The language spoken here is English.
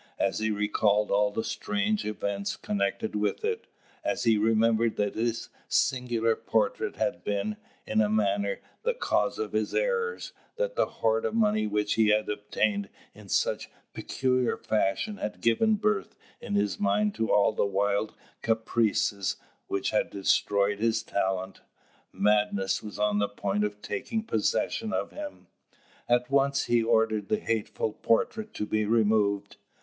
As he recalled all the strange events connected with it; as he remembered that this singular portrait had been, in a manner, the cause of his errors; that the hoard of money which he had obtained in such peculiar fashion had given birth in his mind to all the wild caprices which had destroyed his talent madness was on the point of taking possession of him. At once he ordered the hateful portrait to be removed.